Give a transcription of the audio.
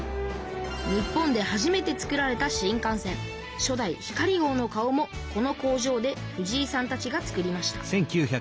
日本で初めてつくられた新幹線初代「ひかり号」の顔もこの工場で藤井さんたちが作りました。